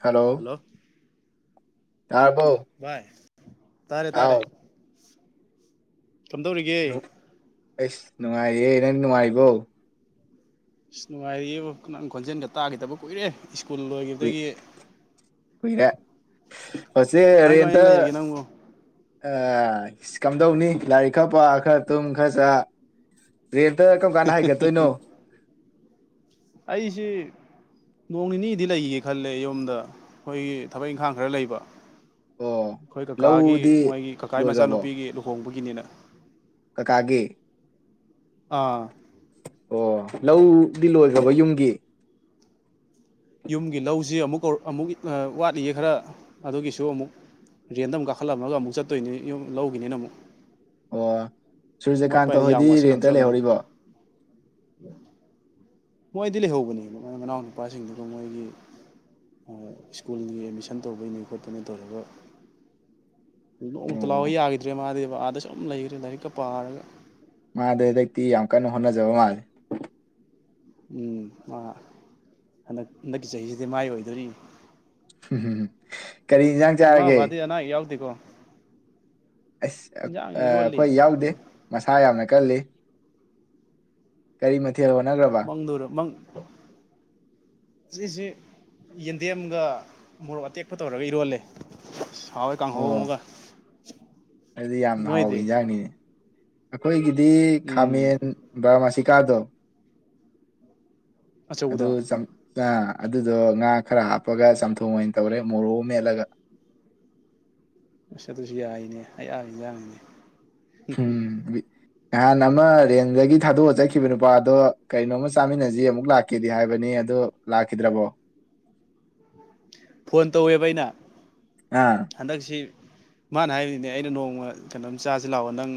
Hello ꯇꯥꯔꯕꯣ ꯚꯥꯏ ꯇꯥꯔꯦ ꯍꯥꯎ ꯇꯥꯔꯦ ꯀꯝꯗꯧꯔꯤꯒꯦ ꯅꯨ- ꯑꯩꯁ ꯅꯨꯡꯉꯥꯏꯔꯤꯌꯦ ꯅꯪ ꯅꯨꯡꯉꯥꯏꯔꯤꯕꯣ ꯏꯁ ꯅꯨꯡꯉꯥꯏꯔꯤꯑꯦꯕꯨ ꯅꯪ ꯈꯣꯟꯖꯦꯟꯒ ꯇꯥꯒꯤꯗꯕ ꯀꯨꯏꯔꯦ ꯏ꯭ꯁꯀꯨꯜ ꯀꯨꯏ ꯂꯣꯏꯒꯤꯕꯗꯒꯤ ꯀꯨꯏꯔꯦ [unintelligible] ꯔꯦꯟꯇ ꯀꯃꯥꯏꯅ ꯂꯩꯔꯤꯒꯦ ꯅꯪꯕꯨ ꯀꯝꯗꯧꯅꯤ ꯂꯥꯏꯔꯤꯛ ꯈꯔ ꯄꯥ ꯈꯔ ꯇꯨꯝ ꯈꯔ ꯆꯥ ꯔꯦꯟꯠꯇ ꯀꯔꯝ ꯀꯥꯟꯗ ꯍꯥꯏꯒꯠꯇꯣꯏꯅꯣ ꯑꯩꯁꯤ ꯅꯣꯡ ꯅꯤꯅꯤꯗꯤ ꯂꯩꯒꯤꯒꯦ ꯈꯜꯂꯦ ꯌꯨꯝꯗ ꯑꯩꯈꯣꯏꯒꯤ ꯊꯕꯛ ꯏꯪꯈꯥꯡ ꯈꯔ ꯂꯩꯕ ꯑꯣ ꯑꯩꯈꯣꯏ ꯀꯀꯥꯒꯤ ꯂꯧꯗꯤ ꯃꯣꯏꯒꯤ ꯀꯀꯥꯒꯤ ꯂꯣꯏꯒ꯭ꯔꯕꯣ ꯃꯆꯥꯅꯨꯄꯤꯒꯤ ꯂꯨꯍꯣꯡꯕꯒꯤ ꯒꯤꯅꯤꯅ ꯀꯀꯥꯒꯤ ꯑꯥ ꯑꯣ ꯂꯧꯗꯤ ꯂꯣꯏꯒ꯭ꯔꯕ ꯌꯨꯝꯒꯤ ꯌꯨꯝꯒꯤ ꯂꯧꯁꯤ ꯑꯃꯨꯛ ꯑꯃꯨꯛ ꯋꯥꯠꯂꯤꯌꯦ ꯈꯔ ꯑꯗꯨꯒꯤꯁꯨ ꯑꯃꯨꯛ ꯔꯦꯟꯠꯗ ꯑꯃꯨꯛ ꯀꯥꯈꯠꯂꯝꯃꯒ ꯑꯃꯨꯛ ꯆꯠꯇꯣꯏꯅꯤ ꯌꯨꯝ ꯂꯧꯒꯤꯅꯤꯅ ꯑꯃꯨꯛ ꯑꯣ ꯋꯥꯠꯄ ꯁꯨꯔꯖꯀꯥꯟꯇ ꯍꯥꯏꯗꯤ ꯌꯥꯝ ꯍꯣꯏꯗꯤ ꯔꯦꯟꯇ ꯋꯥꯠꯁꯤꯜꯂꯛꯇ꯭ꯔꯕꯅꯤ ꯂꯩꯍꯧꯔꯤꯕꯣ ꯃꯣꯏꯗꯤ ꯂꯩꯍꯧꯕꯅꯦꯕ ꯃ ꯃꯅꯥꯎ ꯅꯨꯄꯥꯁꯤꯡꯗꯨ ꯑ ꯃꯣꯏꯒꯤ ꯁ꯭ꯀꯨꯜꯒꯤ ꯑꯦꯠꯃꯤꯁꯟ ꯇꯧꯕꯩꯅꯦ ꯈꯣꯠꯄꯅꯤ ꯇꯧꯔꯒ ꯑꯣ ꯅꯣꯡꯃꯛꯇ ꯂꯥꯛꯎ ꯌꯥꯒꯤꯗ꯭ꯔꯦ ꯃꯥꯗꯤꯕ ꯑꯥꯗ ꯁꯨꯝ ꯂꯩꯒ꯭ꯔꯦ ꯂꯥꯏꯔꯤꯛꯀ ꯄꯥꯔꯒ ꯃꯥꯗꯤ ꯍꯟꯗꯛꯇꯤ ꯌꯥꯝ ꯀꯟꯅ ꯍꯣꯠꯅꯖꯕ ꯃꯥꯜꯂꯦ ꯎꯝ ꯃꯥ ꯍꯟꯗꯛ ꯍꯟꯗꯛꯀꯤ ꯆꯍꯤꯁꯤꯗꯤ ꯃꯥꯏ ꯑꯣꯏꯗꯣꯔꯤ ꯍꯝ ꯍꯝ ꯏꯃꯥ ꯕꯕꯥꯗꯤ ꯑꯅꯥ ꯑꯌꯦꯛ ꯌꯥꯎꯗꯦꯀꯣ ꯑꯁ ꯏꯟꯖꯥꯡ ꯏꯔꯣꯜꯂꯤ ꯑꯩꯈꯣꯏ ꯌꯥꯎꯗꯦ ꯃꯁꯥ ꯌꯥꯝꯅ ꯀꯜꯂꯤ ꯀꯔꯤ ꯃ [unintelligible] ꯌꯦꯟꯗꯦꯝꯒ ꯃꯣꯔꯣꯛ ꯑꯇꯦꯛꯄ ꯇꯧꯔꯒ ꯏꯔꯣꯜꯂꯦ ꯍꯥꯎꯋꯦ ꯀꯥꯡꯍꯧ ꯑꯃꯒ ꯑꯩꯗꯤ ꯌꯥꯝꯅ ꯍꯥꯎꯕ ꯅꯣꯏꯗꯤ ꯏꯟꯖꯥꯡꯅꯤꯅꯦ ꯑꯈꯣꯏꯒꯤ ꯎꯝ ꯈꯥꯃꯦꯟ ꯕꯥꯔꯃꯥꯁꯤ ꯀꯥꯗꯣ ꯑꯗꯨ ꯑꯆꯧꯕꯗꯣ ꯆ ꯑꯗꯨꯗꯣ ꯉꯥ ꯈꯔ ꯍꯥꯞꯄꯒ ꯆꯝꯊꯣꯡ ꯑꯣꯏꯅ ꯇꯧꯔꯦ ꯃꯣꯔꯣꯛ ꯑꯃ ꯃꯦꯠꯂꯒ ꯑꯁ ꯑꯗꯨꯁꯨ ꯌꯥꯏꯅꯦ ꯑꯌꯥꯕ ꯏꯟꯖꯥꯡꯅꯤꯅꯦ ꯍꯝ ꯍꯝ ꯎꯝ ꯅꯍꯥꯟ ꯑꯃ ꯔꯦꯟꯗꯒꯤ ꯊꯥꯗꯣꯛꯑꯒ ꯆꯠꯈꯤꯕ ꯅꯨꯄꯥꯗꯣ ꯀꯩꯅꯣꯝꯃ ꯆꯥꯃꯤꯟꯅꯁꯤ ꯑꯃꯨꯛ ꯂꯥꯛꯀꯦꯗꯤ ꯍꯥꯏꯕꯅꯤ ꯑꯗꯨ ꯂꯥꯛꯈꯤꯗ꯭ꯔꯕꯣ ꯐꯣꯟ ꯇꯧꯋꯦꯕ ꯑꯩꯅ ꯑꯥ ꯍꯟꯗꯛꯁꯤ ꯃꯥꯅ ꯍꯥꯏꯕꯅꯤꯅꯦ ꯑꯩꯅ ꯅꯣꯡꯃ ꯀꯩꯅꯣꯝ ꯆꯁꯤ ꯂꯥꯛꯑꯣ ꯅꯪ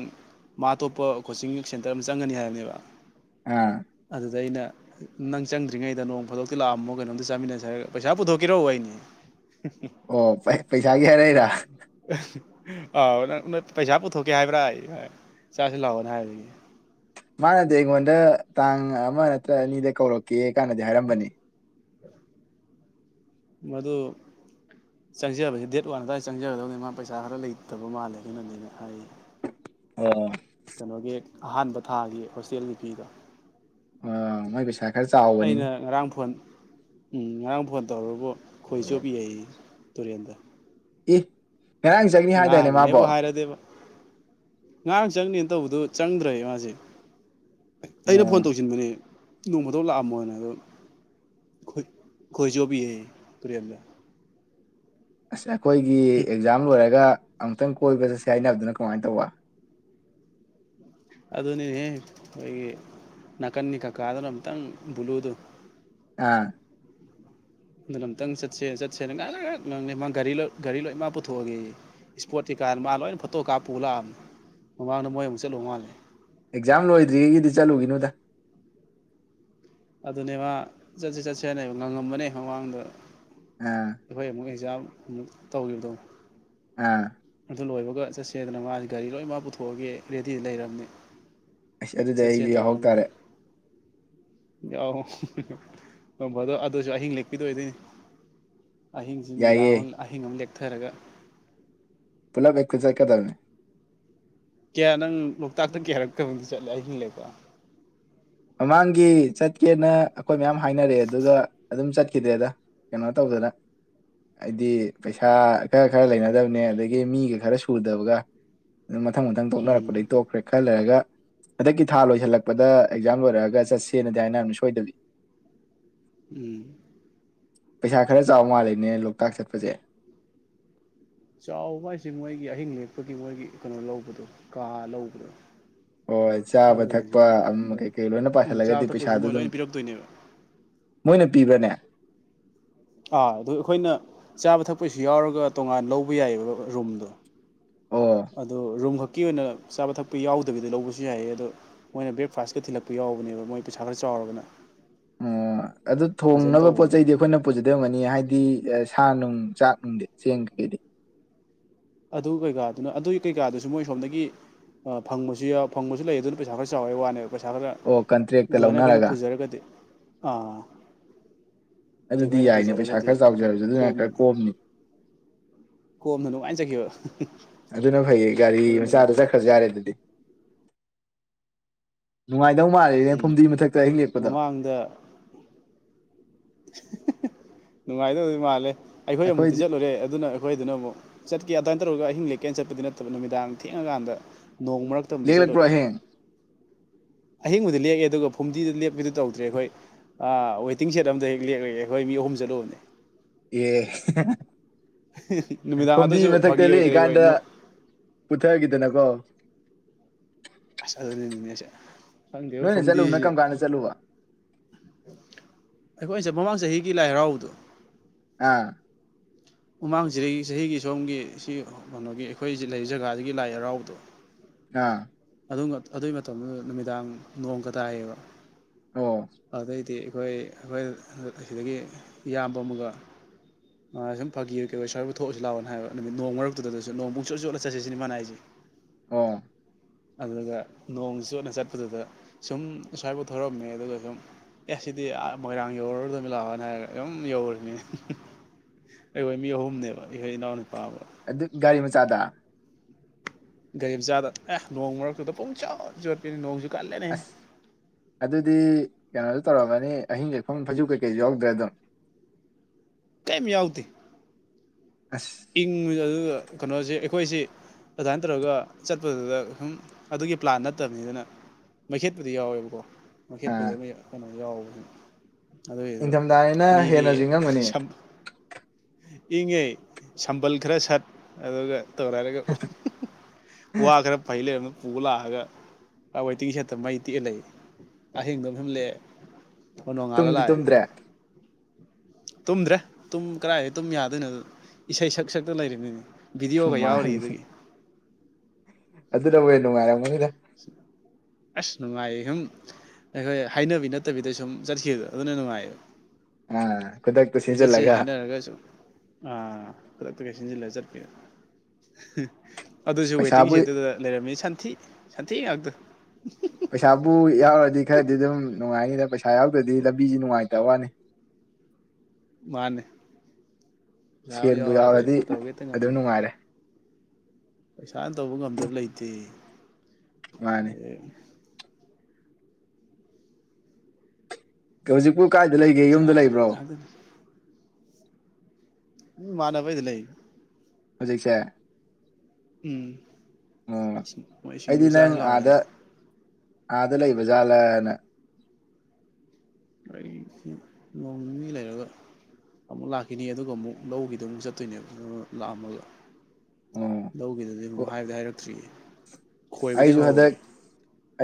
ꯃꯥ ꯑꯇꯣꯞꯄ ꯀꯣꯆꯤꯡ ꯁꯦꯟꯇꯔ ꯑꯃ ꯆꯪꯒꯅꯤ ꯍꯥꯏꯕꯅꯦꯕ ꯑꯥ ꯑꯗꯨꯗ ꯑꯩꯅ ꯅꯪ ꯆꯪꯗ꯭ꯔꯤꯉꯩꯗ ꯅꯣꯡ ꯐꯥꯗꯣꯛꯇꯤ ꯂꯥꯛꯑꯝꯃꯣ ꯀꯩꯅꯣꯝꯇ ꯆꯥꯃꯤꯟꯅꯁꯤ ꯍꯥꯏꯔꯒ ꯄꯩꯁꯥ ꯄꯨꯊꯣꯛꯀꯦꯔꯣ ꯍꯩꯅꯦ ꯑꯣ ꯄꯩꯁꯥ ꯒꯤ ꯍꯥꯏꯔꯛꯏꯔꯥ [unintelligible] ꯄꯩꯁꯥ ꯄꯨꯊꯣꯛꯀꯦ ꯍꯥꯏꯕ꯭ꯔꯥ ꯑꯩ ꯆꯥꯁꯤ ꯂꯥꯛꯑꯣꯅꯦ ꯍꯥꯏꯔꯤ ꯃꯥꯅꯗꯤ ꯑꯩꯉꯣꯟꯗ ꯇꯥꯡ ꯑꯃ ꯅꯠꯇ꯭ꯔ ꯑꯅꯤꯗ ꯀꯧꯔꯛꯀꯦ ꯀꯥꯟꯅꯗꯤ ꯍꯥꯏꯔꯝꯕꯅꯤ ꯃꯗꯨ ꯆꯪꯖꯕꯥꯁꯦ ꯗꯦꯠ ꯋꯥꯟ ꯑꯗꯨꯋꯥꯏꯗ ꯆꯪꯖꯒꯗꯧꯅꯤ ꯃꯥ ꯄꯩꯁꯥ ꯈꯔ ꯂꯩꯇꯕ ꯃꯥꯜꯂꯦ ꯑꯗꯨꯅꯅꯦ ꯍꯥꯏꯌꯦ ꯑꯣ ꯀꯩꯅꯣꯒꯤ ꯑꯍꯥꯟꯕ ꯊꯥꯒꯤ ꯍꯣꯁꯇꯦꯜꯒꯤ ꯐꯤꯗꯣ ꯑꯣ ꯃꯣꯏ ꯄꯩꯁꯥ ꯈꯔ ꯆꯥꯎꯕꯅꯤꯅꯦ ꯑꯩꯅ ꯉꯔꯥꯡ ꯐꯣꯟ ꯎꯝ ꯉꯔꯥꯡ ꯐꯣꯟ ꯇꯧꯔꯨꯕꯨ ꯈꯣꯏꯆꯣꯞꯄꯤ ꯍꯥꯏꯌꯦ ꯇꯨꯔꯦꯟꯗ ꯏ ꯉꯥꯒꯤꯅꯦ ꯑꯩꯕꯨ ꯍꯥꯏꯔꯗꯦꯕ ꯉꯥꯔꯥꯪ ꯆꯪꯅꯤꯅ ꯇꯧꯕꯗꯨ ꯆꯪꯗ꯭ꯔꯦ ꯃꯥꯁꯦ ꯑꯩꯅ ꯎꯝ ꯐꯣꯟ ꯇꯧꯁꯤꯟꯕꯅꯦ ꯅꯣꯡꯃꯗꯧ ꯂꯥꯛꯑꯝꯃꯣꯅ ꯑꯗꯣ ꯈꯣꯏ ꯆꯣꯞꯄꯤꯌꯦꯌꯦ ꯇꯨꯔꯦꯜꯗ ꯑꯁ ꯑꯩꯈꯣꯏꯒꯤ ꯑꯦꯛꯖꯥꯝ ꯂꯣꯏꯔꯒ ꯑꯃꯨꯛꯇꯪ ꯀꯣꯏꯕ ꯆꯠꯁꯦ ꯍꯥꯏꯅꯕꯗꯨꯅ ꯀꯃꯥꯏꯅ ꯇꯧꯕ ꯑꯗꯨꯅꯤꯅꯦꯍꯦ ꯑꯩꯈꯣꯏꯒꯤ ꯅꯥꯀꯟꯒꯤ ꯀꯀꯥꯗꯨꯅ ꯑꯨꯛꯇꯪ ꯕꯨꯂꯨꯗꯨ ꯑꯥ ꯑꯗꯨꯅ ꯑꯃꯝꯛꯇꯪ ꯆꯠꯁꯦ ꯆꯠꯁꯦꯅ ꯉꯥꯏꯅ ꯉꯥꯡꯅꯤ ꯃꯥ ꯒꯥꯔꯤ ꯒꯥꯔꯤ ꯂꯣꯏꯅ ꯃꯥ ꯄꯨꯊꯣꯛꯑꯒꯦ ꯏꯁꯄꯣꯠ ꯀꯩꯀꯥ ꯃꯥ ꯂꯣꯏꯅ ꯐꯣꯇꯣ ꯀꯥꯞ ꯄꯨ ꯂꯥꯛꯑꯕꯅꯤ ꯃꯃꯥꯡꯗ ꯃꯣꯏ ꯑꯃꯨꯛ ꯆꯠꯂꯣ ꯃꯥꯜꯂꯦ ꯑꯦꯛꯖꯥꯝ ꯂꯣꯏꯗ꯭ꯔꯤꯉꯩꯒꯤꯗꯤ ꯆꯠꯂꯨꯒꯤꯅꯣꯗ ꯑꯗꯨꯅꯦ ꯃꯥ ꯆꯠꯁꯤ ꯆꯠꯁꯦꯅꯦꯕ ꯉꯪꯉꯝꯕꯅꯦ ꯃꯃꯥꯡꯗ ꯑꯥ ꯍꯣꯏ ꯑꯃꯨꯛ ꯑꯦꯛꯖꯥꯝ ꯑꯃꯨꯛ ꯇꯧꯈꯤꯕꯗꯣ ꯑꯥ ꯑꯗꯨ ꯂꯣꯏꯕꯒ ꯆꯠꯁꯦꯗꯅ ꯃꯥ ꯒꯥꯔꯤ ꯂꯣꯏꯅꯃꯛ ꯄꯨꯊꯣꯛꯑꯒꯦ ꯔꯦꯗꯤ ꯂꯩꯔꯕꯅꯤ ꯑꯁ ꯑꯗꯨꯗꯤ ꯑꯩꯁꯨ ꯌꯥꯎꯍꯧ ꯇꯥꯔꯦ ꯅꯣꯡ ꯐꯗꯣꯛ ꯑꯗꯨꯁꯨ ꯑꯍꯤꯡ ꯂꯦꯛꯄꯤꯗꯣꯏ ꯑꯣꯏꯗꯣꯏꯅꯦ ꯑꯍꯤꯡꯁꯤ ꯅꯨꯃꯤꯗꯥꯡ ꯌꯥꯏꯌꯦ ꯑꯃ ꯑꯍꯤꯡ ꯑꯃ ꯂꯦꯛ ꯆꯠꯊꯔꯒ ꯄꯨꯂꯞ ꯍꯦꯛꯇꯥ ꯆꯠꯀꯗꯕꯅꯦ ꯀꯌꯥ ꯅꯪ ꯂꯣꯛꯇꯥꯛꯇ ꯀꯌꯥꯔꯛ ꯆꯠꯂꯦ ꯑꯍꯤꯡ ꯂꯦꯛꯄ ꯃꯃꯥꯡꯒꯤ ꯆꯠꯀꯦꯅ ꯑꯩꯈꯣꯏ ꯃꯌꯥꯝ ꯍꯥꯏꯅꯔꯛꯑꯦ ꯑꯗꯨꯒ ꯑꯗꯨꯝ ꯆꯠꯈꯤꯗ꯭ꯔꯦꯗ ꯀꯩꯅꯣ ꯇꯧꯗꯅ ꯍꯥꯏꯗꯤ ꯄꯩꯁꯥ ꯈꯔ ꯈꯔ ꯂꯩꯅꯗꯕꯅꯦ ꯑꯗꯒꯤ ꯃꯤꯒ ꯈꯔ ꯁꯨꯗꯕꯒ ꯃꯊꯪ ꯃꯊꯪ ꯎꯝ ꯇꯣꯛꯅꯔꯛꯄꯗꯒꯤ ꯇꯣꯛꯈ꯭ꯔꯦ ꯈ ꯂꯩꯔꯒ ꯍꯟꯗꯛꯀꯤ ꯊꯥ ꯂꯣꯏꯁꯤꯜꯂꯛꯄꯗ ꯑꯦꯛꯖꯥꯝ ꯂꯣꯏꯔꯛꯑꯒ ꯆꯠꯁꯦꯅꯗꯤ ꯍꯥꯏꯅꯕꯅꯤ ꯁꯣꯏꯗꯕꯤ ꯎꯝ ꯄꯩꯁꯥ ꯈꯔ ꯆꯥꯎ ꯃꯥꯜꯂꯤꯅꯦ ꯂꯣꯛꯇꯥꯛ ꯆꯠꯄꯁꯦ ꯆꯥꯎꯕ ꯍꯥꯏꯁꯦ ꯃꯣꯏꯒꯤ ꯑꯍꯤꯡ ꯂꯦꯛꯄꯒꯤ ꯃꯣꯏꯒꯤ ꯀꯩꯅꯣ ꯂꯧꯕꯗꯣ ꯀꯥ ꯂꯧꯕꯗꯣ ꯍꯣꯏ ꯆꯥꯕ ꯑꯗꯨꯒꯤ ꯊꯛꯄ ꯁꯨꯝ ꯑꯃ ꯈꯔ ꯀꯩꯀꯩ ꯂꯣꯏꯅ ꯎꯝ ꯄꯥꯁꯜꯂꯒꯗꯤ ꯆꯥꯕ ꯊꯛꯄꯁꯨ ꯃꯣꯏ ꯄꯩꯁꯥꯗꯗꯨꯝ ꯂꯣꯏꯅ ꯄꯤꯔꯛꯇꯣꯏꯅꯦꯕ ꯃꯣꯏꯅ ꯄꯤꯕꯅꯦ ꯑꯥ ꯑꯗꯨ ꯑꯩꯈꯣꯏꯅ ꯆꯥꯕ ꯊꯛꯄꯩꯁꯨ ꯌꯥꯎꯔꯒ ꯇꯣꯉꯥꯟ ꯂꯧꯕ ꯌꯥꯏꯕ ꯔꯨꯝꯗꯨ ꯑꯣ ꯑꯗꯨ ꯔꯨꯝꯈꯛ ꯀꯤ ꯑꯣꯏꯅ ꯆꯥꯕ ꯊꯛꯄ ꯌꯥꯎꯗꯕꯤꯗ ꯂꯧꯕꯁꯨ ꯌꯥꯏꯌꯦ ꯑꯗꯣ ꯃꯣꯏꯅ ꯕ꯭ꯔꯦꯛꯐꯥꯁꯠꯀ ꯊꯤꯜꯂꯛꯄ ꯌꯥꯎꯕꯅꯦꯕ ꯃꯣꯏ ꯄꯩꯁꯥ ꯈꯔ ꯆꯥꯎꯔꯒꯅ ꯑ ꯑꯗꯨ ꯐꯖꯅ ꯊꯣꯡꯅꯕ ꯄꯣꯠ ꯇꯧꯕꯅꯦ ꯆꯩꯗꯤ ꯑꯩꯈꯣꯏꯅ ꯄꯨꯖꯗꯣꯏ ꯑꯣꯏꯔꯝꯒꯅꯤ ꯍꯥꯏꯗꯤ ꯁꯥ ꯅꯨꯡ ꯆꯥꯛ ꯅꯨꯡꯗꯤ ꯆꯦꯡ ꯀꯩꯀꯩꯗꯤ ꯑꯗꯨ ꯀꯩꯀꯥꯗꯨꯅ ꯑꯗꯨꯒꯤ ꯀꯩꯀꯥꯗꯨꯁꯨ ꯃꯣꯏꯁꯣꯝꯗꯒꯤ ꯐꯪꯕꯁꯨꯌꯥꯎ ꯐꯪꯕꯁꯨ ꯂꯩ ꯑꯗꯨꯅ ꯄꯩꯁꯥ ꯈꯔ ꯆꯥꯎꯋꯦ ꯍꯥꯏꯋꯥꯅꯦꯕ ꯄꯩꯁꯥ ꯈꯔ ꯑꯣ ꯀꯟꯇ꯭ꯔꯦꯛꯇ ꯐꯖꯅ ꯑꯩꯈꯣꯏꯅ ꯂꯧꯅꯔꯒ ꯄꯨꯖꯔꯒꯗꯤ ꯑꯥ ꯑꯗꯨ ꯑꯗꯨꯗꯤ ꯑꯩꯈꯣꯏꯅ ꯌꯥꯏꯅꯦ ꯄꯨꯖꯔꯒꯗꯤ ꯄꯩꯁꯥꯈꯔ ꯆꯥꯎꯖꯔꯁꯨ ꯑꯗꯨꯅ ꯈꯔ ꯀꯣꯝꯃꯤꯅꯤ ꯀꯣꯝꯅꯤ ꯀꯣꯝꯅ ꯅꯨꯉꯥꯏ ꯆꯈꯤꯕ ꯑꯗꯨꯅ ꯐꯩꯌꯦ ꯒꯥꯔꯤ ꯃꯆꯥꯗ ꯐꯩ ꯆꯠꯈ꯭ꯔꯁꯨ ꯌꯥꯔꯦ ꯗꯨꯗꯤ ꯅꯨꯉꯥꯏ ꯗꯧ ꯃꯥꯜꯂꯤꯅꯦ ꯎꯝ ꯐꯨꯝꯗꯤ ꯃꯊꯛꯇ ꯑꯍꯤꯡ ꯂꯦꯛꯄꯗꯣ ꯃꯃꯥꯡꯗ ꯅꯨꯡꯉꯥꯏꯗꯧꯗꯤ ꯃꯥꯜꯂꯦ ꯑꯩꯈꯣꯏ ꯑꯃꯨꯛꯇꯤ ꯑꯩꯈꯣꯏꯗꯤ ꯆꯠꯂꯨꯔꯦ ꯑꯗꯨꯅ ꯑꯩꯈꯣꯏꯗꯨꯅ ꯑꯃꯨꯛ ꯆꯠꯀꯦꯗꯥ ꯆꯠꯂꯨꯔꯒ ꯑꯍꯤꯡ ꯂꯦꯛꯀꯦꯅ ꯆꯠꯄꯗꯤ ꯅꯠꯇꯕ ꯅꯨꯃꯤꯗꯥꯡ ꯊꯦꯡꯉꯀꯥꯟꯗ ꯅꯣꯡ ꯃꯔꯛꯇ ꯑꯃꯨꯛꯇꯤ ꯂꯦꯛꯂꯛꯄ꯭ꯔꯣ ꯆꯠꯂꯨꯔꯦ ꯑꯍꯤꯡ ꯑꯍꯤꯡꯕꯨꯗꯤ ꯂꯦꯛꯑꯦ ꯑꯗꯨꯒ ꯐꯨꯝꯗꯤꯗ ꯂꯦꯞꯄꯤꯗꯨ ꯇꯧꯗ꯭ꯔꯦ ꯑꯩꯈꯣꯏ ꯑ ꯋꯦꯇꯤꯡ ꯁꯦꯠ ꯑꯝꯗ ꯍꯦꯛ ꯂꯦꯛꯑꯦ ꯑꯩꯈꯣꯏ ꯃꯤ ꯑꯍꯨꯝ ꯆꯠꯂꯨꯕꯅꯦ ꯌꯦ ꯅꯨꯃꯤꯗꯥꯡ ꯐꯨꯝꯗꯤ ꯑꯗꯨꯁꯨ ꯃꯊꯛꯇ ꯐꯥꯒꯤ ꯑꯣꯏ ꯀꯔꯤ ꯑꯣꯏ ꯂꯦꯛꯏꯀꯥꯟꯗ ꯅꯣ ꯄꯨꯊꯈꯤꯗꯅꯀꯣ ꯑꯁ ꯑꯗꯨꯅꯅꯤꯅꯦꯁꯦ ꯈꯪꯗꯦꯕꯣ ꯅꯣꯏꯅ ꯆꯠꯂꯨꯕꯅ ꯐꯨꯝꯗꯤꯁꯤ ꯀꯔꯝ ꯀꯥꯟꯗ ꯆꯠꯂꯨꯕ ꯑꯩꯈꯣꯏꯆꯠ ꯃꯃꯥꯡ ꯆꯍꯤ ꯒꯤ ꯂꯥꯏꯍꯔꯥꯎꯕꯗꯨ ꯑꯥ ꯃꯃꯥꯡꯆ ꯆꯍꯤꯒꯤ ꯁꯣꯝꯒꯤ ꯁꯤ ꯀꯩꯅꯣꯒꯤ ꯑꯩꯈꯣꯏꯁꯤ ꯂꯩ ꯖꯒꯥꯁꯤꯒꯤ ꯂꯥꯏ ꯍꯔꯥꯎꯕꯗꯣ ꯑꯥ ꯑꯗꯨꯅ ꯑꯗꯨꯒꯤ ꯃꯇꯝꯗꯨꯗ ꯅꯨꯃꯤꯗꯥꯡ ꯅꯣꯡꯒ ꯇꯥꯏꯌꯦꯕ ꯑꯣ ꯑꯗꯩꯗꯤ ꯑꯩꯈꯣꯏ ꯑꯩꯈꯣꯏ ꯑꯁꯤꯗꯒꯤ ꯏꯌꯥꯝꯕ ꯑꯃꯒ ꯃꯒꯁꯨꯝ ꯐꯥꯒꯤ ꯀꯩꯑꯣꯏ ꯁꯋꯥꯏꯐꯧ ꯊꯣꯛꯎꯁꯦ ꯂꯥꯛꯑꯣ ꯍꯥꯏꯕ ꯅꯨꯃꯤꯠ ꯅꯣꯡ ꯃꯔꯛꯇꯨꯗꯁꯨ ꯅꯣꯡ ꯄꯨꯡꯆꯣꯠ ꯆꯣꯠꯂ ꯆꯠꯁꯤ ꯁꯤꯅꯤ ꯃꯥꯅ ꯍꯥꯏꯁꯤ ꯑꯣ ꯑꯗꯨꯒ ꯅꯣꯡ ꯆꯣꯠꯅ ꯆꯠꯄꯗꯨꯗ ꯁꯨꯝ ꯁ꯭ꯋꯥꯏꯐꯥꯎ ꯊꯧꯔꯛꯑꯝꯃꯦ ꯑꯗꯨꯒ ꯁꯨꯝ ꯑꯦ ꯁꯤꯗꯤ ꯑꯥ ꯃꯣꯏꯔꯥꯡ ꯌꯧꯔꯨꯔꯗꯕꯅꯦ ꯂꯥꯛꯑꯣꯅ ꯍꯥꯏꯔꯒ ꯑꯗꯨꯝ ꯌꯧꯔꯤꯅꯤ ꯑꯩꯈꯣꯏ ꯃꯤ ꯑꯍꯨꯝꯅꯦꯕ ꯏꯈꯣꯏ ꯏꯅꯥꯎ ꯅꯨꯄꯥ ꯑꯃ ꯑꯗꯨ ꯒꯥꯔꯤ ꯃꯆꯥꯗ ꯒꯥꯔꯤꯝꯆꯥꯗ ꯑꯦ ꯅꯣꯡ ꯃꯔꯛꯇꯨꯗ ꯄꯨꯡꯆꯣꯠ ꯆꯣꯠꯄꯤꯅꯤ ꯅꯣꯡ ꯁꯨ ꯑꯁ ꯑꯗꯨꯗꯤ [unintelligible] ꯇꯧꯔꯝꯒꯅꯤ ꯑꯍꯤꯡꯂꯦꯛꯐꯝ ꯐꯩꯖꯨꯄ ꯀꯩꯀꯩꯖꯨ ꯌꯥꯎꯗ꯭ꯔꯦ ꯑꯗꯨꯝ꯫ ꯌꯥꯎꯗꯦ꯫ [unintelligible] ꯏꯪꯕꯗꯨ ꯑꯗꯨꯒ ꯀꯩꯅꯣꯁꯤ ꯑꯩꯈꯣꯏꯁꯤ ꯑꯗꯨꯃꯥꯏꯅ ꯇꯧꯔꯒ ꯆꯠꯄꯗꯨꯗ ꯁꯨꯝ ꯑꯗꯨꯒꯤ ꯄ꯭ꯂꯥꯟ ꯅꯠꯇꯕꯅꯤ ꯑꯗꯨꯅ ꯃꯩꯈꯦꯠꯄꯨꯗꯤ ꯌꯥꯎꯋꯦꯕꯀꯣ꯫ ꯃꯩꯈꯦꯠꯄꯨꯗꯤ ꯑꯃ ꯀꯩꯅꯣ ꯌꯥꯎ ꯅꯤꯡꯊꯝꯊꯥꯅꯤꯅ ꯃꯤꯒꯤ ꯍꯦꯟꯅꯁꯨ ꯏꯪꯉꯝꯒꯅꯤ꯫ ꯁꯝ ꯏꯪꯉꯦ ꯁꯝꯕꯜ ꯈꯔ ꯁꯠ ꯑꯗꯨꯒ꯫ ꯇꯧꯔꯦꯍꯥꯏꯔꯒ ꯎꯍ [unintelligible] ꯋꯥ ꯈꯔ ꯐꯩꯂꯩꯔꯝ ꯄꯨ ꯂꯥꯛꯑꯒ ꯋꯦꯇꯤꯡꯒꯤ ꯁꯦꯠꯇ ꯃꯩ ꯇꯦꯛꯑ ꯂꯩ ꯑꯍꯤꯡꯗꯨꯃꯁꯨꯝ ꯂꯦꯛ ꯅꯣꯡꯉꯥꯜꯂ ꯇꯨꯝꯗꯤ ꯂꯥꯑꯦ꯫ ꯇꯨꯝꯗ꯭ꯔꯦ ꯇꯨꯝꯗ꯭ꯔꯦ ꯇꯨꯝ ꯀꯔꯥꯏꯗ ꯇꯨꯝ ꯌꯥꯗꯣꯏꯅꯣ ꯏꯁꯩ ꯁꯛ ꯁꯛꯇ ꯂꯩꯔꯤꯝꯅꯤꯅꯦ꯫ ꯚꯤꯗꯤꯑꯣꯒ ꯌꯥꯎꯔꯤ ꯃꯥꯅꯤ ꯑꯗꯨꯒꯤ꯫ ꯑꯗꯨꯅꯕꯨ ꯍꯦꯟ ꯅꯨꯡꯉꯥꯏꯔꯝꯒꯅꯤꯗ꯫ [inaudible] ꯑꯁ ꯅꯨꯡꯉꯥꯏ ꯁꯨꯝ ꯑꯩꯈꯣꯏ ꯍꯥꯏꯅꯕꯤ ꯅꯠꯇꯕꯤꯗ ꯁꯨꯝ ꯆꯠꯈꯤꯗꯨ ꯑꯗꯨꯅ ꯅꯨꯡꯉꯥꯏꯌꯦ꯫ ꯑ꯫ ꯂꯣꯏꯆꯠꯁꯦ ꯍꯥꯏꯅꯔꯒꯁꯨ ꯑꯥ ꯈꯨꯗꯛꯇꯒ ꯁꯤꯟꯖꯤꯜꯂꯒ ꯆꯠꯄꯤ ꯑꯁ ꯑꯗꯨꯁꯨ ꯋꯦꯇꯤꯡ ꯄꯩꯁꯥꯕꯨ ꯁꯦꯠꯇꯨꯗ ꯂꯩꯔꯝꯃꯤꯁꯤ ꯁꯟꯊꯤ꯫ ꯁꯟꯊꯤꯉꯥꯛꯇ꯫ ꯄꯩꯁꯥꯕꯨ ꯌꯥꯎꯔꯗꯤ ꯈꯔꯗꯤ ꯑꯗꯨꯝ ꯅꯨꯡꯉꯥꯏꯅꯤꯗ ꯄꯩꯁꯥ ꯌꯥꯎꯗꯗꯤ ꯂꯝꯕꯤꯁꯤ ꯅꯨꯡꯉꯥꯏ [unintelligible] ꯃꯥꯅꯦ꯫ ꯄꯩꯁꯥꯕꯨ ꯁꯦꯜꯕꯨ ꯌꯥꯎꯔꯗꯤ ꯇꯧꯒꯦ ꯍꯦꯛꯇ ꯑꯗꯨꯝ ꯉꯝꯃꯤꯅꯦ ꯅꯨꯡꯉꯥꯏꯔꯦ꯫ ꯄꯩꯁꯥꯅ ꯇꯧꯕ ꯉꯝꯗꯕ ꯂꯩꯇꯦ꯫ ꯃꯥꯅꯦ꯫ ꯍꯧꯖꯤꯛꯄꯨ ꯀꯥꯏꯗ ꯂꯩꯒꯦ ꯄꯩꯁꯥ ꯌꯨꯝꯗ ꯂꯩꯕ꯭ꯔꯣ꯫ ꯉꯥꯛꯇꯅꯤ ꯎ ꯃꯥꯅꯕꯩꯗ ꯂꯩ꯫ ꯍꯧꯖꯤꯛꯁꯦ꯫ ꯎꯝ ꯑꯣ ꯁꯤꯡ ꯃꯣꯏ ꯁꯥꯡꯖꯨ ꯑꯩꯗꯤ ꯅꯪ ꯆꯥꯖꯦ ꯂꯥꯛꯑꯣꯅ꯫ ꯑꯥꯗ ꯑꯥꯗ ꯂꯩꯕꯖꯥꯠꯂꯅ꯫ ꯑꯩꯁꯦ ꯅꯣꯡ ꯅꯤꯅꯤ ꯂꯩꯔꯒ ꯑꯃꯨꯛ ꯂꯥꯛꯈꯤꯅꯤ ꯑꯗꯨꯒ ꯑꯃꯨꯛ ꯂꯧꯒꯤꯗꯣ ꯑꯃꯨꯛ ꯆꯠꯇꯣꯏꯅꯦꯕ ꯂꯥꯛꯑꯝꯃꯒ ꯎꯝ ꯂꯧꯒꯤꯗꯨꯗꯤ ꯑꯣ ꯍꯥꯏꯕꯗ ꯍꯥꯏꯔꯛꯇ꯭ꯔꯤꯌꯦ꯫ ꯈꯣꯏꯕꯗꯤ ꯑꯩꯁꯨ ꯍꯧꯍꯧꯔꯦ ꯍꯟꯗꯛ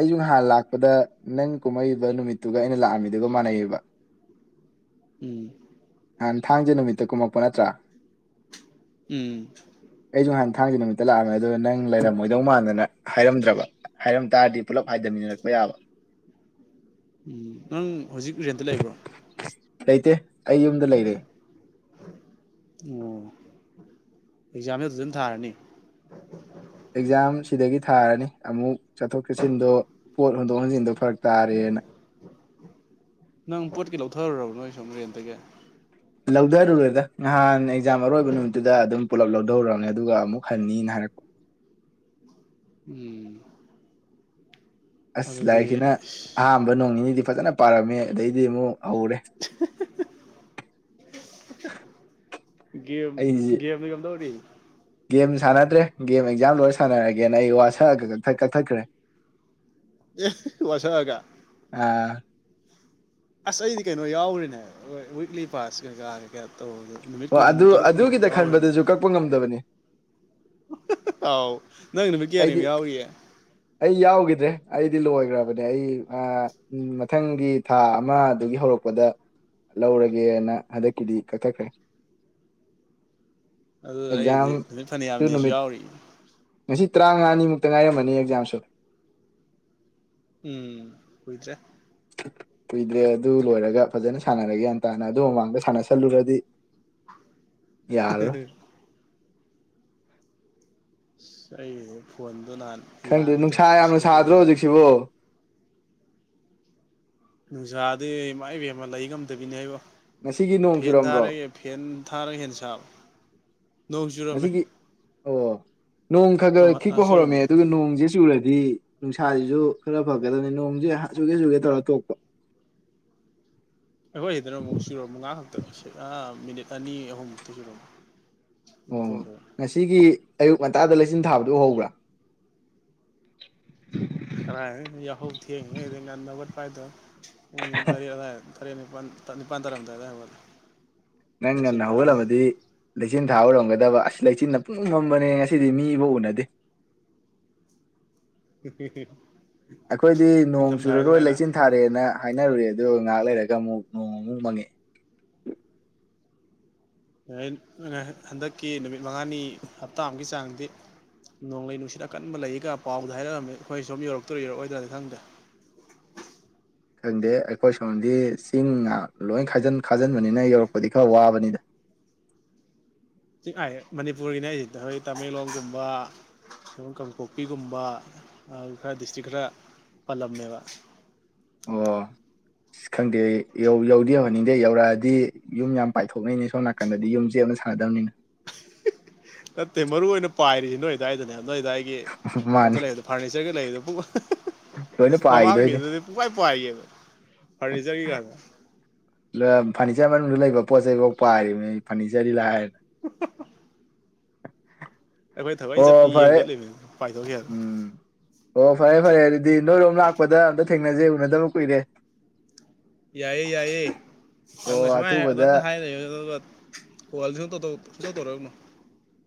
ꯑꯩꯁꯨ ꯍꯥꯟꯅ ꯂꯥꯛ ꯗ ꯅꯪ ꯀꯨꯝꯃꯛꯏꯕ ꯅꯨꯃꯤꯠꯇꯨꯒ ꯑꯩꯅ ꯂꯥꯛꯑꯝꯃꯤꯗꯨꯒ ꯃꯥꯟꯅꯩꯌꯦꯕ ꯎꯝ ꯅꯍꯥꯟ ꯊꯥꯡꯖ ꯅꯨꯃꯤꯠꯇ ꯀꯨꯝꯃꯛꯄ ꯅꯠꯇ꯭ꯔꯥ ꯎꯝ ꯑꯩꯖꯨ ꯅꯍꯥꯟ ꯊꯥꯡꯖ ꯅꯨꯃꯤꯠꯇ ꯂꯥꯛꯑꯝꯃꯦ ꯑꯗꯨꯒ ꯅꯪ ꯂꯩꯔꯝꯃꯣꯏꯗꯧ ꯃꯥꯟꯗꯅ ꯍꯥꯏꯔꯝꯗ꯭ꯔꯕ ꯍꯥꯏꯔꯝ ꯇꯥꯔꯗꯤ ꯄꯨꯂꯞ ꯍꯥꯏꯊꯃꯤꯟꯅꯔꯛꯄ ꯌꯥꯕ ꯎꯝ ꯅꯪ ꯍꯧꯖꯤꯛ ꯔꯦꯟꯇ ꯂꯩꯕ꯭ꯔꯣ ꯂꯩꯇꯦ ꯑꯩ ꯌꯨꯝꯗ ꯂꯩꯔꯦ ꯑꯣ ꯑꯦꯛꯖꯥꯝꯗꯤ ꯑꯗꯨꯗ ꯑꯗꯨꯝ ꯊꯥꯔꯅꯤ ꯑꯦꯛꯖꯥꯝ ꯁꯤꯗꯒꯤ ꯊꯥꯔꯅꯤ ꯑꯃꯨꯛ ꯆꯠꯊꯣꯛ ꯆꯠꯁꯤꯟꯗꯣ ꯄꯣꯠ ꯍꯣꯟꯗꯣꯛ ꯍꯣꯟꯖꯤꯟꯗꯣ ꯐꯥꯔꯛ ꯅꯪ ꯄꯣꯠ ꯀꯩ ꯂꯧꯊꯔꯨꯔꯕ ꯅꯣꯏ [unintelligible] ꯔꯦꯟꯇꯒꯤ ꯂꯧꯗꯔꯨꯔꯦꯗ ꯉꯍꯥꯟ ꯏꯖꯥꯝ ꯑꯔꯣꯏꯕ ꯅꯨꯃꯤꯠꯇꯨꯗ ꯑꯗꯨꯝ ꯄꯨꯂꯞ ꯂꯧ ꯂꯧꯔꯝꯅꯤ ꯑꯗꯨꯒ ꯑꯃꯨꯛ ꯍꯟꯅꯤꯅ ꯍꯥꯏꯔꯛꯄ ꯎꯝ ꯑꯁ ꯑꯗꯨꯗꯤ ꯂꯥꯏꯔꯤꯛꯁꯤꯅ ꯑꯍꯥꯟꯕ ꯅꯣꯡ ꯅꯤꯅꯤꯗꯤ ꯐꯖꯅ ꯄꯥꯔꯝꯃꯦ ꯑꯗꯩꯗꯤ ꯑꯃꯨꯛ ꯍꯧꯔꯦ ꯒꯦꯝ ꯑꯩꯁꯤ ꯒꯦꯝꯗꯤ ꯀꯝꯗꯧꯔꯤ ꯒꯦꯝ ꯁꯥꯟꯅꯗ꯭ꯔꯦ ꯒꯦꯝ ꯑꯦꯛꯖꯥꯝ ꯂꯣꯏꯔ ꯁꯥꯟꯅꯔꯒꯦꯅ ꯑꯩ ꯋꯥꯁꯛꯑꯒ ꯀꯛ ꯀꯛꯊꯠꯈ꯭ꯔꯦ ꯑꯦ ꯋꯥꯁꯛꯑꯒ ꯑꯥ ꯑꯁ ꯑꯩꯗꯤ ꯀꯩꯅꯣ ꯌꯥꯎꯒꯔꯤꯅꯦ ꯋꯤꯛꯂꯤ ꯄꯥꯁ ꯀꯩꯀꯥ ꯀꯩ ꯀ ꯇꯧ ꯑꯗꯨ ꯑꯗꯨꯒꯤꯗ ꯈꯟꯕꯗꯖꯨ ꯀꯛꯄ ꯉꯝꯗꯕꯅꯤ ꯑꯧ ꯅꯪ ꯅꯨꯃꯤꯠ ꯑꯩꯗꯤ ꯀꯌꯥꯅꯤꯃꯨꯛ ꯌꯥꯎꯔꯤꯌꯦ ꯑꯩ ꯌꯥꯎꯒꯤꯗ꯭ꯔꯦ ꯑꯩꯗꯤ ꯂꯣꯏꯒꯔꯕꯅꯦ ꯑꯩ ꯑꯥ ꯎꯝ ꯃꯊꯪꯒꯤ ꯊꯥ ꯑꯃꯗꯨꯒꯤ ꯍꯧꯔꯛꯄꯗ ꯂꯧꯔꯒꯦꯅ ꯍꯟꯗꯛꯀꯤꯗꯤ ꯀꯛꯊꯈ꯭ꯔꯦ ꯑꯗꯨ ꯑꯩꯗꯤ ꯅꯨꯃꯤꯠ ꯐꯅꯌꯥꯝꯅꯤꯁꯨ ꯅꯨꯃꯤꯠ ꯌꯥꯎꯔꯤ ꯉꯁꯤ ꯇꯔꯥꯉꯥꯅꯤꯃꯨꯛꯇ ꯉꯥꯏꯔꯝꯕꯅꯤ ꯑꯦꯛꯖꯥꯝꯁꯨ ꯎꯝ ꯀꯨꯏꯗ꯭ꯔꯦ ꯀꯨꯏꯗ꯭ꯔꯦ ꯑꯗꯨ ꯂꯣꯏꯔꯒ ꯐꯖꯅ ꯁꯥꯟꯅꯔꯒꯦ ꯒꯌꯥꯟ ꯇꯥꯅ ꯑꯗꯨ ꯃꯃꯥꯡꯗ ꯁꯥꯟꯅꯁꯜꯂꯨꯔꯗꯤ ꯌꯥꯔꯔꯣꯏ [unintelligible] [unintelligible] ꯐꯣꯟ ꯈꯪꯗꯦ ꯅꯨꯡꯁꯥ ꯌꯥꯝꯅ ꯁꯥꯗ꯭ꯔꯣ ꯍꯧꯖꯤꯛꯁꯤꯕꯣ ꯅꯨꯡꯁꯥꯗꯤ ꯏꯃꯥꯏ ꯄꯦꯝꯃ ꯂꯩ ꯉꯝꯗꯕꯤꯅꯦ ꯏꯕꯣ ꯉꯁꯤꯒꯤ ꯅꯣꯡ ꯐꯦꯟ ꯆꯨꯔꯝꯕ꯭ꯔꯣ ꯊꯥꯔꯦ ꯐꯦꯟ ꯊꯥꯔꯒ ꯍꯦꯟ ꯁꯥꯕ ꯅꯣꯡꯆꯨꯔꯝꯃꯦ ꯉꯁꯤꯒꯤ ꯑꯣ ꯅꯣꯡ ꯈꯔ ꯈꯔ ꯈꯤꯛꯄ ꯍꯧꯔꯝꯃꯦ ꯆꯨꯔꯝꯃꯦ ꯑꯗꯨꯒ ꯅꯣꯡꯁꯦ ꯆꯨꯔ ꯗꯤ ꯅꯨꯡꯁꯥꯁꯤꯁꯨ ꯈꯔ ꯐꯒꯗꯕꯅꯤ ꯅꯣꯡꯁꯦ ꯆꯨꯒꯦ ꯆꯨꯒꯦ ꯇꯧꯔ ꯇꯣꯛꯄ ꯑꯩꯈꯣꯏ ꯁꯤꯗꯅ ꯑꯃꯨꯛ ꯆꯨꯔꯝꯕ ꯉꯥꯛꯈꯛꯇ ꯃꯤꯅꯤꯠ ꯑꯅꯤ ꯑꯍꯨꯝ ꯃꯨꯛꯇꯤ ꯆꯨꯔꯝꯃꯤ ꯑꯣ ꯉꯁꯤꯒꯤ ꯑꯌꯨꯛ ꯉꯟꯇꯥꯗ ꯂꯩ ꯂꯩꯆꯤꯟ ꯊꯥꯕꯗꯨ ꯎꯍꯧꯕ꯭ꯔꯥ [inaudible] ꯀꯔꯥꯏꯗꯩꯅꯣ ꯌꯥꯍꯎ ꯊꯦꯡꯉꯤꯉꯩꯗ ꯉꯟꯅ ꯍꯧꯒꯠꯄ ꯍꯥꯏꯗꯣ ꯄꯨꯡ ꯇꯔꯦꯠ ꯑꯗꯋꯥꯏꯗ ꯇꯔꯦꯠ ꯅꯤꯄꯥꯜ ꯅꯤꯄꯥꯟ ꯇꯥꯔꯝꯗꯥꯏ ꯑꯗꯨꯋꯥꯏ ꯍꯧꯒꯠꯂꯦ ꯅꯪ ꯂꯩꯆꯤꯟ ꯉꯟꯅ ꯊꯥꯕ ꯍꯥꯏꯇꯥꯔꯦ ꯍꯧꯒꯠꯂꯝꯃꯗꯤ ꯂꯩꯆꯤꯟ ꯊꯥꯕ ꯎꯔꯝꯒꯗꯕ ꯂꯩꯆꯤꯟꯅ ꯄꯨꯨꯡꯃꯝ ꯃꯝꯕꯅꯦ ꯉꯁꯤꯗꯤ ꯃꯤꯐꯥꯎ ꯎꯅꯗꯦ ꯍꯤꯍꯤꯍꯤ ꯑꯩꯈꯣꯏꯗꯤ ꯅꯣꯡ ꯆꯨꯔꯔꯣꯏ ꯂꯩꯆꯤꯟ ꯊꯥꯔꯦꯅ ꯍꯥꯏꯅꯔꯨꯔꯦ ꯑꯗꯨꯒ ꯉꯥꯏꯍꯥꯛ ꯂꯩꯔꯒ ꯑꯃꯨꯛ ꯅꯣꯡ ꯑꯃꯨꯛ ꯃꯪꯉꯛꯑꯦ ꯍꯟꯗꯛꯀꯤ ꯅꯨꯃꯤꯠ ꯃꯉꯥꯅꯤ ꯍꯞꯇꯥ ꯑꯃꯨꯛꯀꯤ ꯆꯥꯡꯗꯤ ꯅꯣꯡꯂꯩ ꯅꯨꯡꯁꯤꯠ ꯑꯀꯟꯕ ꯂꯩꯀ ꯄꯥꯎꯗ ꯍꯥꯏꯔꯛꯑꯝꯃꯦ ꯑꯩꯈꯣꯏ ꯁꯣꯝ ꯌꯧꯔꯛꯇ꯭ꯔ ꯌꯧꯔꯛꯑꯣꯏꯗ꯭ꯔꯥꯗꯤ ꯈꯪꯗꯦ ꯈꯪꯗꯦ ꯑꯩꯈꯣꯏ ꯁꯣꯝꯗꯤ ꯆꯤꯡ ꯉꯥꯛ ꯂꯣꯏ ꯈꯥꯖꯤꯟ ꯈꯥꯖꯤꯟꯕꯅꯤꯅ ꯌꯧꯔꯛꯄꯗꯤ ꯈꯔ ꯋꯥꯕꯅꯤꯗ [unintelligible] ꯃꯅꯤꯄꯨꯔꯒꯤꯅꯦ ꯍꯥꯏꯖꯦ ꯇꯃꯦꯡꯂꯣꯡ ꯒꯨꯝꯕ ꯀꯥꯡꯄꯣꯛꯄꯤ ꯒꯨꯝꯕ ꯑꯗꯨ ꯈꯔ ꯗꯤꯁꯇ꯭ꯔꯤꯛ ꯈꯔ ꯄꯜꯂꯝꯃꯦꯕ ꯑꯣ ꯑꯁ ꯈꯪꯗꯦ ꯌꯧꯗꯤ ꯌꯧꯍꯟꯅꯤꯡꯗꯦ ꯌꯧꯔꯛꯑꯗꯤ ꯌꯨꯝ ꯌꯥꯝ ꯄꯥꯏꯊꯣꯛꯅꯩꯅꯦ ꯁꯣꯝ ꯅꯥꯀꯟꯗꯗꯤ ꯌꯨꯝ ꯆꯦꯛꯅ ꯁꯥꯟꯅꯗꯕꯅꯤꯅ ꯅꯠꯇꯦ ꯃꯔꯨ ꯑꯣꯏꯅ ꯄꯥꯏꯔꯤꯁꯤ ꯅꯣꯏ ꯑꯗꯨꯋꯥꯏꯗꯅꯦ ꯅꯣꯏ ꯑꯗꯨꯗꯥꯋꯥꯏꯒꯤ ꯒꯤ ꯃꯥꯅꯦ ꯀꯩꯅꯣꯀ ꯂꯩꯕꯗꯣ ꯐꯥꯔꯅꯤꯆꯔꯒ ꯂꯩꯕꯗꯣ ꯂꯣꯏꯅ ꯃꯃꯥꯡꯒꯤ ꯄꯥꯏꯈꯤꯗꯣꯏꯅꯦ ꯗꯨꯗꯤ ꯄꯨꯄꯥꯏ ꯄꯥꯏꯒꯤꯕ ꯐꯔꯅꯤꯆꯔꯒꯤ ꯀꯗꯣ ꯑ ꯐꯔꯅꯤꯆꯔ ꯃꯅꯨꯡꯗ ꯂꯩꯕ ꯄꯣꯠ ꯆꯩꯐꯥꯎ ꯄꯥꯏꯔꯤꯕꯅꯤ ꯐꯔꯅꯤꯆꯔꯗꯤ ꯂꯥꯏꯔꯗꯅ ꯎꯍꯥꯍꯥ ꯑꯩꯈꯣꯏ ꯊꯋꯣꯏ ꯑꯣ ꯆꯠꯄꯤ ꯌꯦꯡ ꯐꯔꯦ ꯆꯠꯂꯤꯕꯅꯤ ꯄꯥꯏꯊꯣꯛꯈꯤꯗꯅ ꯎꯝ ꯑꯣ ꯐꯔꯦ ꯐꯔꯦ ꯑꯗꯨꯗꯤ ꯅꯣꯏꯔꯣꯝ ꯂꯥꯛꯄꯗ ꯑꯝꯇ ꯊꯦꯡꯅꯖꯦ ꯎꯅꯗꯕ ꯀꯨꯏꯔꯦ ꯌꯥꯏꯌꯦ ꯌꯥꯏꯌꯦ ꯑꯣ ꯅꯪꯅ ꯁꯨꯝꯃꯥꯏ ꯑꯊꯨꯕꯗ ꯑꯗꯥꯏꯇ ꯍꯥꯏ ꯂꯩꯌꯨ ꯑꯗꯨꯒ ꯀꯣꯜ ꯁꯨꯡꯇꯧ ꯇꯧ ꯇꯧꯔꯛꯎꯅꯨ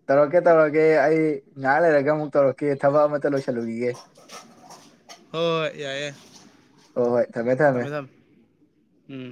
ꯇꯧꯔꯛꯀꯦ ꯇꯧꯔꯛꯀꯦ ꯑꯩ ꯉꯥꯏꯍꯥꯥꯛ ꯂꯩꯔꯒ ꯑꯃꯨꯛ ꯇꯧꯔꯛꯀꯦ ꯊꯕꯛ ꯑꯃꯇ ꯂꯣꯏꯁꯤꯜꯂꯨꯈꯤꯒꯦ ꯍꯣꯏ ꯍꯣꯏ ꯌꯥꯏꯌꯥꯏ ꯊꯝꯃꯦ ꯊꯃꯦ ꯎꯝ